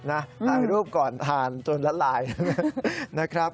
ถ่ายรูปก่อนทานจนละลายนะครับ